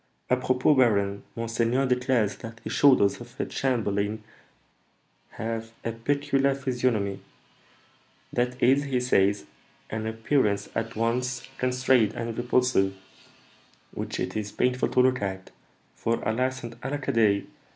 "Apropos, baron; monseigneur declares that the shoulders of a chamberlain have a peculiar physiognomy: that is, he says, an appearance at once constrained and repulsive, which it is painful to look at; for, alas and alackaday!